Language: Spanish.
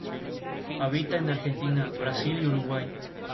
Habita en Argentina, Brasil y Uruguay.